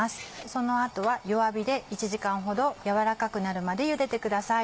その後は弱火で１時間ほど軟らかくなるまでゆでてください。